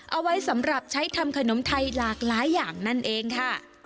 เอาไว้สำหรับใช้ทำขนมไทยหลากหลายอย่างนั่นเองค่ะ